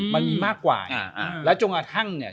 มันมีมากกว่าแล้วจนกระทั่งเนี่ย